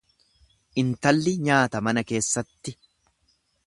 Intalli nyaata mana keessatti.